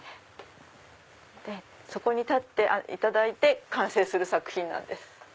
そこに立っていただいて完成する作品なんです。